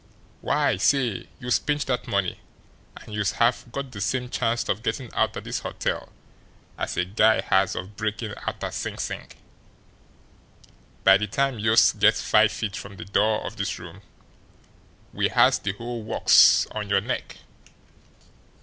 Why, say, youse pinch dat money, an' youse have got de same chanst of gettin' outer dis hotel as a guy has of breakin' outer Sing Sing! By de time youse gets five feet from de door of dis room we has de whole works on yer neck."